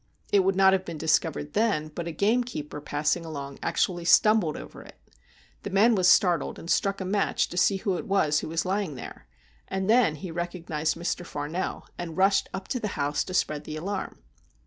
It would not have been discovered then, but a gamekeeper passing along actually stumbled over it. The man was startled, and struck a match to see who it was who was lying there, and then he recognised Mr. Farnell, and rushed to the house to spread the alarm.